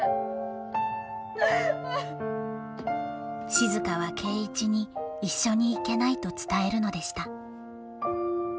静は圭一に一緒に行けないと伝えるのでした。